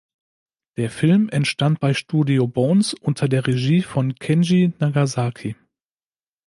Der Film entstand bei Studio Bones unter der Regie von Kenji Nagasaki.